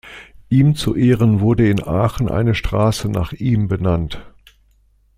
Ihm zu Ehren wurde in Aachen eine Straße nach ihm benannt.